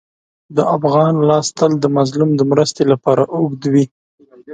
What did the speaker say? د افغان لاس تل د مظلوم د مرستې لپاره اوږد وي.